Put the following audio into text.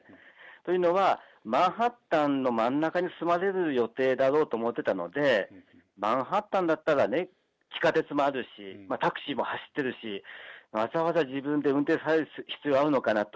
というのは、マンハッタンの真ん中に住まれる予定だろうと思ってたので、マンハッタンだったらね、地下鉄もあるし、タクシーも走ってるし、わざわざ自分で運転される必要あるのかなと。